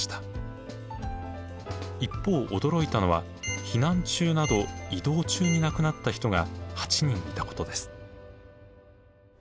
一方驚いたのは避難中など移動中に亡くなった人が８人いたことです。